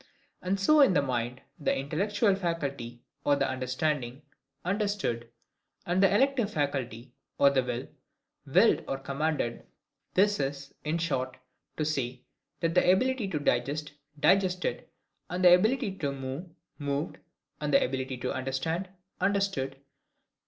And so in the mind, the INTELLECTUAL FACULTY, or the understanding, understood; and the ELECTIVE FACULTY, or the will, willed or commanded. This is, in short, to say, that the ability to digest, digested; and the ability to move, moved; and the ability to understand, understood.